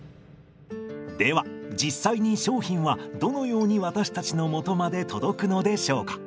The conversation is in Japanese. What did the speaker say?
では実際に商品はどのように私たちのもとまで届くのでしょうか。